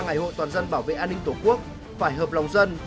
ngày hội toàn dân bảo vệ an ninh tổ quốc phải hợp lòng dân